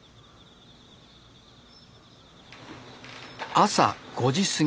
朝５時すぎ。